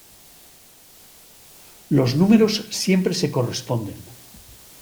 Los números siempre se corresponden.